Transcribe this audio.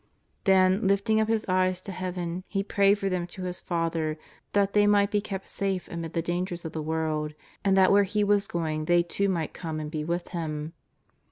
Then, lifting up His eyes to Heaven, He prayed for them to His Father that they might be kept safe amid the dangers of the world, and that where He was going 334 JESUS OF NAZAKETH. thej too might come and be with Him.